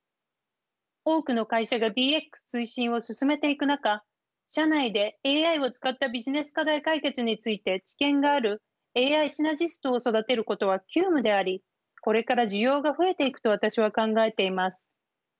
多くの会社がＤＸ推進を進めていく中社内でＡＩを使ったビジネス課題解決について知見があるＡＩシナジストを育てることは急務でありこれから需要が増えていくと私は考えています。